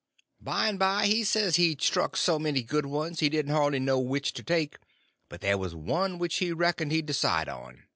By and by he said he'd struck so many good ones he didn't hardly know which to take, but there was one which he reckoned he'd decide on.